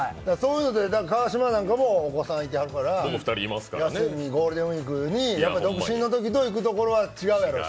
川島なんかもお子さんいてはるから休み、ゴールデンウイークに独身のときと行くところは違うやろし。